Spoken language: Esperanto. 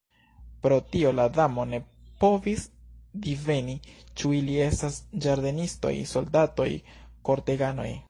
Pro tio la Damo ne povis diveni ĉu ili estas ĝardenistoj, soldatoj, korteganoj.